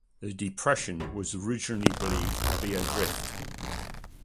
The depression was originally believed to be a rift.